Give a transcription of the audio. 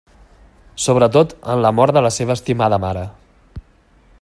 Sobretot en la mort de la seva estimada mare.